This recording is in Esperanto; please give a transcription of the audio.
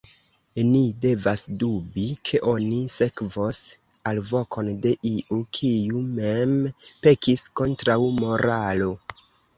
Ni devas dubi, ke oni sekvos alvokon de iu, kiu mem pekis kontraŭ moralo.